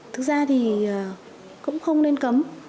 thực ra thì cũng không nên cấm